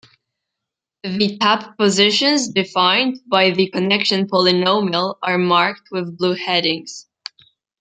The tap positions defined by the connection polynomial are marked with blue headings.